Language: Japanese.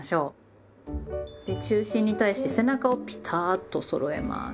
で中心に対して背中をピタッとそろえます。